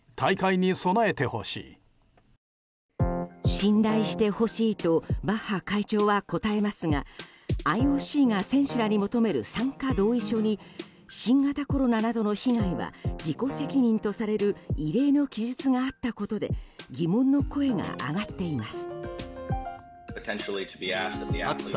信頼してほしいとバッハ会長は答えますがＩＯＣが選手らに求める参加同意書に新型コロナなどの被害は自己責任とされる異例の記述があったことで疑問の声が上がっています。